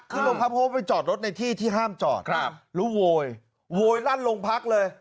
ขึ้นโรงพักพบไปจอดรถในที่ที่ห้ามจอดครับหรือโวยโวยนั่นโรงพักเลย